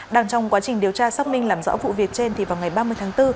đang trong quá trình điều tra xác minh làm rõ vụ việc trên thì vào ngày ba mươi tháng bốn